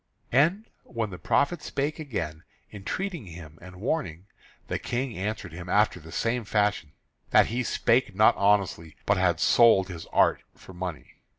And when the prophet spake again, entreating him, and warning, the King answered him after the same fashion, that he spake not honestly, but had sold his art for money.